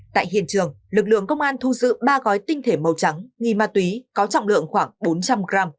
tại hiện trường lực lượng công an thu giữ ba gói tinh thể màu trắng nghi ma túy có trọng lượng khoảng bốn trăm linh g